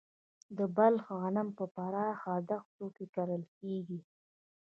د بلخ غنم په پراخه دښتو کې کرل کیږي.